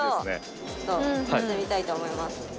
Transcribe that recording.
ちょっとやってみたいと思います。